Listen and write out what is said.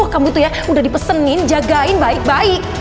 kamu tuh ya udah dipesenin jagain baik baik